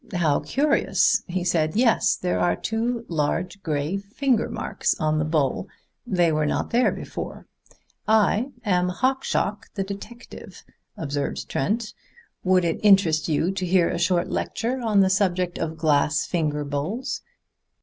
"How curious," he said. "Yes, there are two large gray finger marks on the bowl. They were not there before." "I am Hawkshaw the detective," observed Trent. "Would it interest you to hear a short lecture on the subject of glass finger bowls?